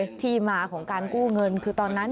ที่มาของการกู้เงินคือตอนนั้น